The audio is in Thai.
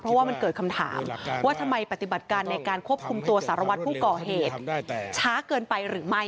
เพราะว่ามันเกิดคำถามว่าทำไมปฏิบัติการในการควบคุมตัวสารวัตรผู้ก่อเหตุช้าเกินไปหรือไม่